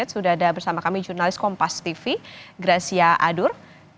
sudah ada bersama kami jurnalis kompas tv gracia adur